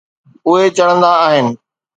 اهي چڙهندا آهن.